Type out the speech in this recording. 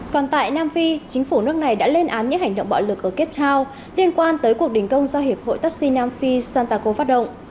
còn tại nam phi chính phủ nước này đã lên án những hành động bạo lực ở captown liên quan tới cuộc đình công do hiệp hội taxi nam phi santaco phát động